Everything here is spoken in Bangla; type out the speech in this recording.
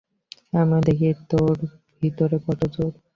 আমিও দেখি তোর ভিতরে কত জোর।